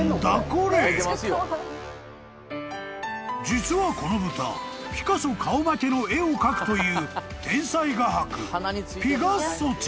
［実はこの豚ピカソ顔負けの絵を描くという］